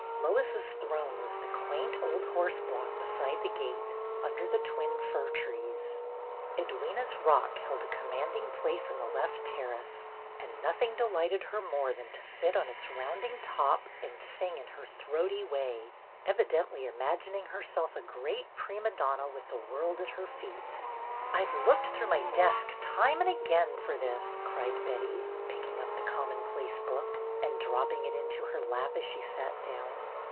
"Lois's Throne" was the quaint old horse block beside the gate, under the twin fir trees. "Edwyna's Rock" held a commanding place on the left terrace, and nothing delighted her more than to sit on its rounding top and sing in her throaty way, evidently imagining herself a great prima donna with the world at her feet. "I 've looked through my desk time and again for this," cried Betty, picking up the commonplace book, and dropping it into her lap as she sat down.